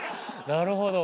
なるほど。